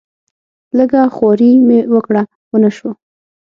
لږه خواري مې وکړه ونه شو.